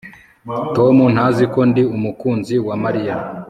Tom ntazi ko ndi umukunzi wa Mariya